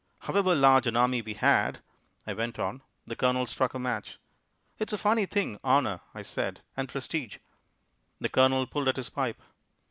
"However large an army we had " I went on. The Colonel struck a match. "It's a funny thing, honour," I said. "And prestige." The Colonel pulled at his pipe.